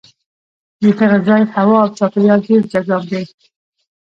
د دغه ځای هوا او چاپېریال ډېر جذاب دی.